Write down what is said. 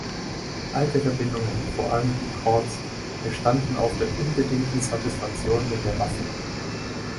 Alte Verbindungen, vor allem die Corps, bestanden auf der „unbedingten Satisfaktion mit der Waffe“.